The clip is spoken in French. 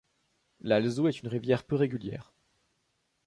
L'Alzou est une rivière peu régulière.